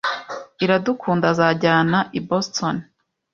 Iradukunda azajyana i Boston.